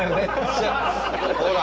ほら。